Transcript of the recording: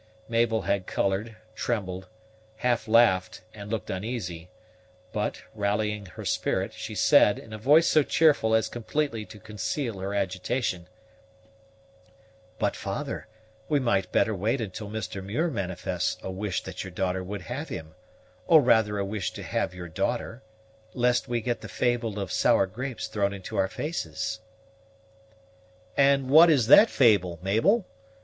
Mabel had colored, trembled, half laughed, and looked uneasy; but, rallying her spirit, she said, in a voice so cheerful as completely to conceal her agitation, "But, father, we might better wait until Mr. Muir manifests a wish that your daughter would have him, or rather a wish to have your daughter, lest we get the fable of sour grapes thrown into our faces." "And what is that fable, Mabel?"